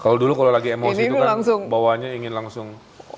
kalau dulu kalau lagi emosi itu kan bawahnya ingin langsung